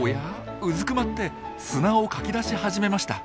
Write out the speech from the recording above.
うずくまって砂をかきだし始めました。